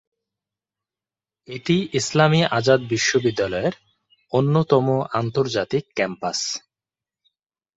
এটি ইসলামী আজাদ বিশ্ববিদ্যালয়ের অন্যতম আন্তর্জাতিক ক্যাম্পাস।